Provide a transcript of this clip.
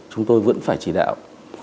chúng tôi vẫn phải chỉ đạo